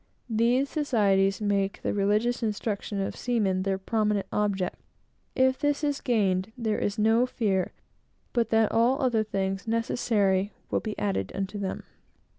These societies make the religious instruction of seamen their prominent object. If this is gained, there is no fear but that all other things necessary will be added unto them.